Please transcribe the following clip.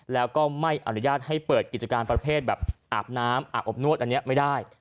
เราก็ไม่อนุญาตให้เปิดกิจการประเภทอาบน้ำอาบนวดอันนี้